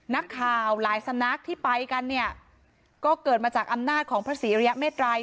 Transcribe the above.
นักข่าวหลายสำนักที่ไปกันเนี่ยก็เกิดมาจากอำนาจของพระศรีอริยเมตรัย